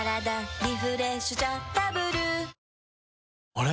あれ？